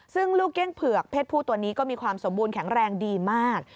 ซึ่งลูกเก้งเผือกเพศผู้ตัวนี้ก็มีความสมบูรณแข็งแรงดีมาก